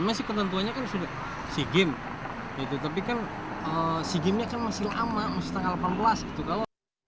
masih ketentuannya kan sudah si gim tapi kan si gimnya kan masih lama masih tanggal delapan belas